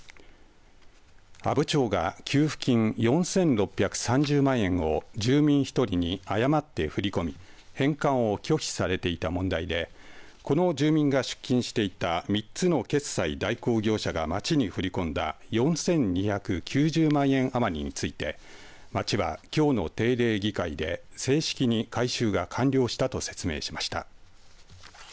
阿武町が給付金４６３０万円を住民１人に誤って振り込み返還を拒否されていた問題でこの住民が出金していた３つの決済代行業者が町に振り込んだ４２９０万円余りについて町はきょうの定例議会で正式に回収が完了したと説明しました。